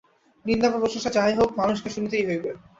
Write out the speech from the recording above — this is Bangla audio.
নিন্দা বা প্রশংসা যাহাই হউক, মানুষকে শুনিতেই হইবে।